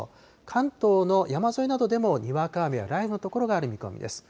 関東の山沿いなどでも、にわか雨や雷雨の所がある見込みです。